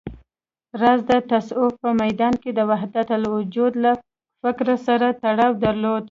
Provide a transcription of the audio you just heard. راز د تصوف په ميدان کې د وحدتالوجود له فکر سره تړاو درلود